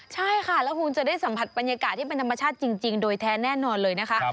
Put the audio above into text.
ใช่ค่ะแล้วคุณจะได้สัมผัสบรรยากาศที่เป็นธรรมชาติจริงโดยแท้แน่นอนเลยนะคะ